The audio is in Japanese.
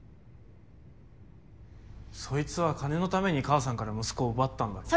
そいつは金のために母さんから息子を奪ったんだろ？